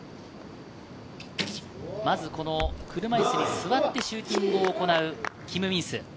車いすに座ってシューティングを行うキム・ミンス。